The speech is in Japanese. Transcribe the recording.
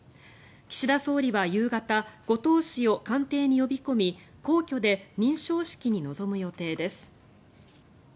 岸田総理は夕方後藤氏を官邸に呼び込み皇居で認証式に臨む予定です。